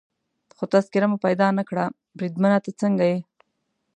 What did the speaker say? خو تذکیره مو پیدا نه کړل، بریدمنه ته څنګه یې؟